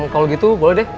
kalau gitu boleh deh